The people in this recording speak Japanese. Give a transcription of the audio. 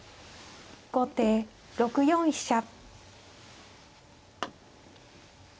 後手６四飛車。